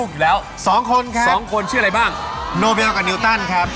กันเร็วเลยจริงนะครับ